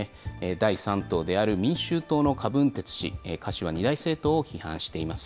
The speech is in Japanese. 第３党である民衆党の柯文哲氏、柯氏は２大政党を批判しています。